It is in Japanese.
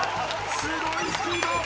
すごいスピード！